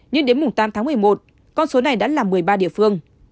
nhưng đến tám tháng một mươi một con số này đã là một mươi ba địa phương